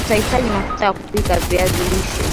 Utahitaji mafuta ya kupikia viazi lishe